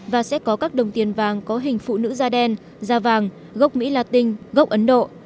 và sẽ có các đồng tiền vàng có hình phụ nữ da đen da vàng gốc mỹ latin gốc ấn độ